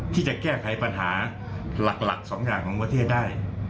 ที่จะแก้ไขปัญหาหลักสองอย่างของประเทศได้